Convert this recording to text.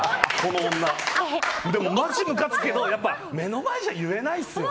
でも、マジムカつくけど目の前じゃ言えないっすよ。